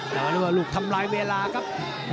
แต่ว่าลูกทำลายเวลาครับ